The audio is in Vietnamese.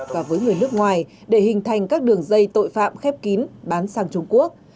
và với người nước ngoài để hình thành các đường dây tội phạm khép kín bán sang trung quốc